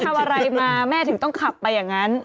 ทำอะไรมาแม่ถึงต้องขับไปอย่างนั้น